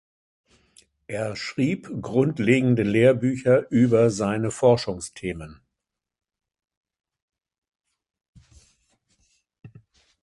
Er schrieb grundlegende Lehrbücher über seine Forschungsthemen.